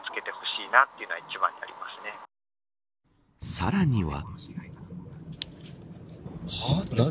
さらには。